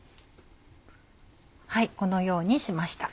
このようにしました。